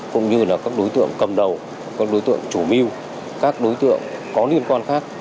cũng như là các đối tượng cầm đầu các đối tượng chủ mưu các đối tượng có liên quan khác